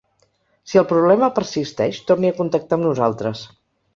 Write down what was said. Si el problema persisteix torni a contactar amb nosaltres.